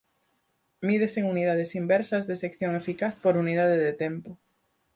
Mídese en unidades inversas de sección eficaz por unidade de tempo.